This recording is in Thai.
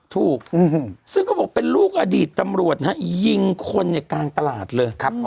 ถูกซึ่งเขาบอกเป็นลูกอดีตตำรวจนะฮะยิงคนในกลางตลาดเลย